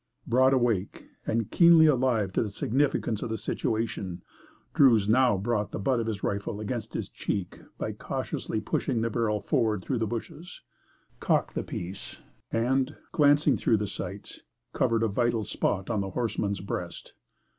Broad awake and keenly alive to the significance of the situation, Druse now brought the butt of his rifle against his cheek by cautiously pushing the barrel forward through the bushes, cocked the piece, and, glancing through the sights, covered a vital spot of the horseman's breast.